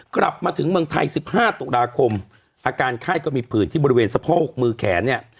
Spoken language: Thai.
กลับมาถึงเมืองไทย๑๕ตุลาคมอาการไข้ก็มีผื่นที่บริเวณสะโพกมือแขนเนี่ย